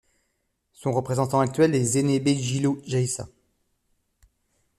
Son représentant actuel est Zenebe Gilo Geysa.